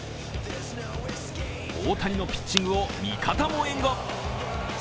大谷のピッチングを味方も援護。